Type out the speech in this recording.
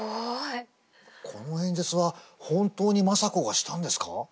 この演説は本当に政子がしたんですか？